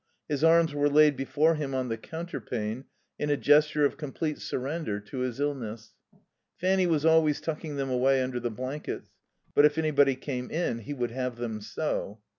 His arms were laid before him on the counterpane in a gesture of complete surrender to his illness. Fanny was always tucking them away under the blankets, but if anybody came in he would have them so.